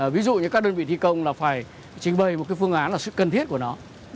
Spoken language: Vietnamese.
ví dụ như các đơn vị thi công là phải trình bày một cái phương án là sự cần thiết của nó